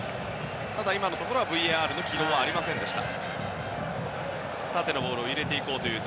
ただ、今のところはＶＡＲの起動ありませんでした。